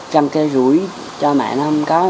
trăm cây rủi cho mẹ nó không có